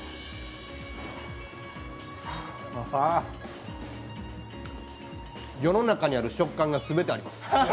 はぁ、世の中にある食感が全てあります。